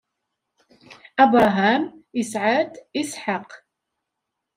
Abṛaham isɛa-d Isḥaq.